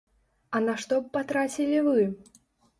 А на што б патрацілі вы?